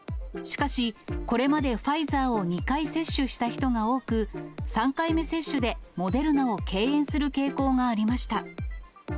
しかし、これまでファイザーを２回接種した人が多く、３回目接種でモデルナを敬遠する傾向がありました。